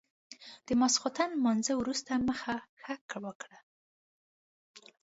د ماسخوتن لمونځ وروسته مخه ښه وکړه.